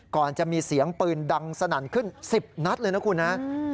ก่อนจะมีเสียงปืนดังสนั่นขึ้น๑๐นัดเลยนะคุณฮะ